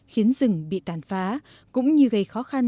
khiến rừng bị tàn phá